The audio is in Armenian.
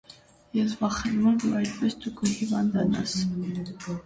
Ես վախենում եմ, որ այդպես դու կհիվանդանաս: